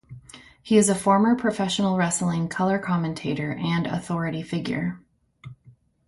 He is a former professional wrestling color commentator and authority figure.